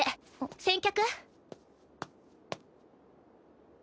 先客？